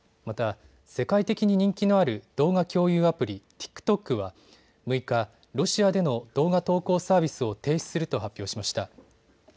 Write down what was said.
また世界的に人気のある動画共有アプリ、ＴｉｋＴｏｋは６日、ロシアでの動画投稿サービスを停止すると発表しました。